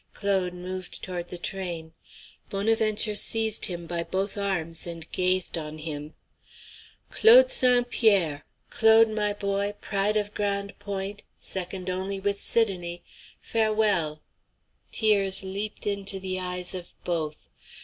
Claude moved toward the train. Bonaventure seized him by both arms and gazed on him. "Claude St. Pierre! Claude, my boy, pride of Grande Pointe, second only with Sidonie, farewell!" Tears leaped into the eyes of both.